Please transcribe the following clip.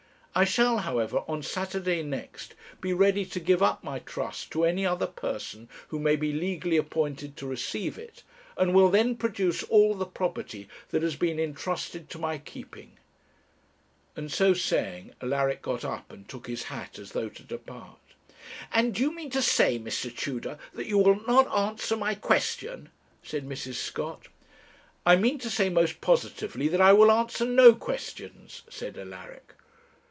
I shall, however, on Saturday next, be ready to give up my trust to any other person who may be legally appointed to receive it, and will then produce all the property that has been entrusted to my keeping:' and so saying, Alaric got up and took his hat as though to depart. 'And do you mean to say, Mr. Tudor, that you will not answer my question?' said Mrs. Scott. 'I mean to say, most positively, that I will answer no questions,' said Alaric.